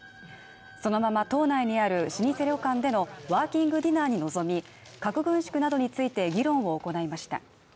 そのまま島内にある老舗旅館でのワーキングディナーに臨み核軍縮などについて議論を行いました。